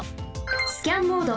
スキャンモード